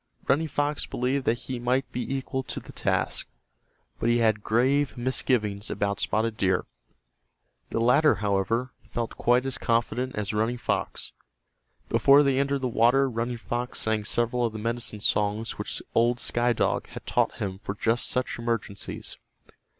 Running Fox believed that he might be equal to the task, but he had grave misgivings about Spotted Deer. The latter, however, felt quite as confident as Running Fox. Before they entered the water Running Fox sang several of the medicine songs which old Sky Dog had taught him for just such emergencies.